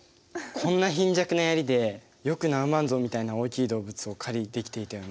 こんな貧弱なヤリでよくナウマンゾウみたいな大きい動物を狩りできていたよね。